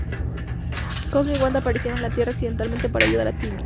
Cosmo y Wanda aparecieron en la Tierra accidentalmente para ayudar a Timmy.